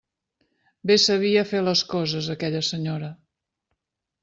Bé sabia fer les coses aquella senyora.